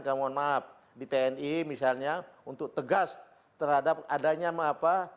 saya mohon maaf di tni misalnya untuk tegas terhadap adanya apa